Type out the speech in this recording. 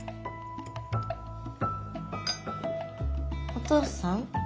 お父さん？